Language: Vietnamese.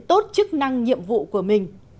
tốt chức năng nhiệm vụ của mình